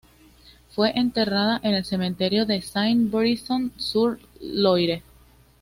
Fue enterrada en el Cementerio de Saint-Brisson-sur-Loire.